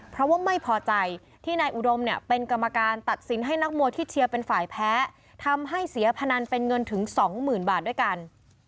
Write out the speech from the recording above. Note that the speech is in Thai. เพราะว่าไม่พอใจที่นายอุดมเนี่ยเป็นกรรมการตัดสินให้นักมวยที่เชียร์เป็นฝ่ายแพ้ทำให้เสียพนันเป็นเงินถึงสองหมื่นบาทด้วยกัน